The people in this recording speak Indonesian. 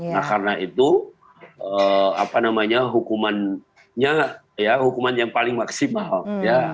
nah karena itu apa namanya hukumannya hukuman yang paling maksimal ya